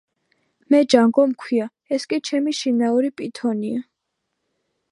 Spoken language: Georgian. მე ჯანგო მქვია, ეს კი ჩემი შინაური პითონია.